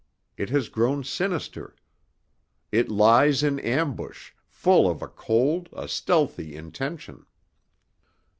It has grown sinister. It lies in ambush, full of a cold, a stealthy intention.